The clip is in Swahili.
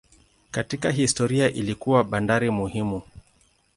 Katika historia ilikuwa bandari muhimu.